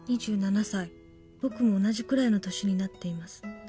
「僕も同じくらいの年になっています」